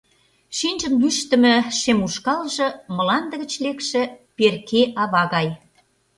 Шинчын лӱштымӧ шем ушкалже мланде гыч лекше Перке-ава гай.